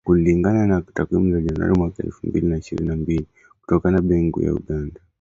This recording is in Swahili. Kulingana na takwimu za Januari mwaka elfu mbili na ishirini na mbili kutoka Benki Kuu ya Uganda